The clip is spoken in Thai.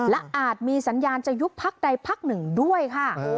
และอาจมีสัญญาณจะยุบพักใดพักหนึ่งด้วยค่ะ